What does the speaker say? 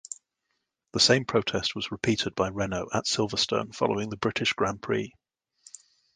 The same protest was repeated by Renault at Silverstone following the British Grand Prix.